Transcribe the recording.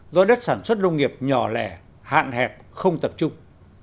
do đất sản xuất nông nghiệp nhỏ lẻ hạn hẹp không tập trung